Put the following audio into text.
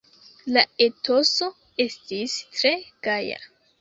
La etoso estis tre gaja.